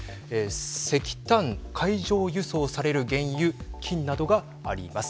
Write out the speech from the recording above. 石炭、海上輸送される原油金などがあります。